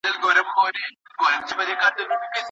خلګ په ډېره شعوري توګه سياسي پرېکړي کوي.